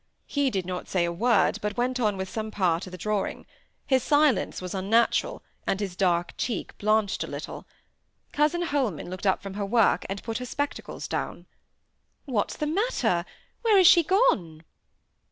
He did not say a word, but went on with some other part of the drawing; his silence was unnatural, and his dark cheek blanched a little. Cousin Holman looked up from her work, and put her spectacles down. "What's the matter? Where is she gone?"